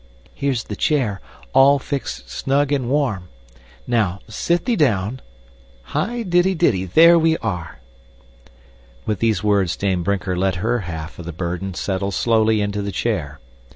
Here's the chair, all fixed snug and warm. Now, sit thee down hi di didy there we are!" With these words Dame Brinker let her half of the burden settle slowly into the chair.